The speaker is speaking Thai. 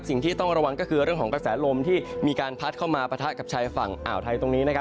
สิ่งที่ต้องระวังก็คือเรื่องของกระแสลมที่มีการพัดเข้ามาปะทะกับชายฝั่งอ่าวไทยตรงนี้